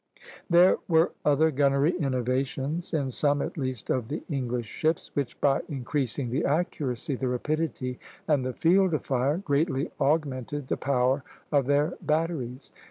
There were other gunnery innovations, in some at least of the English ships, which by increasing the accuracy, the rapidity, and the field of fire, greatly augmented the power of their batteries.